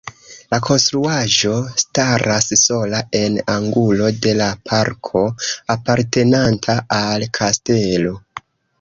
La konstruaĵo staras sola en angulo de la parko apartenanta al kastelo.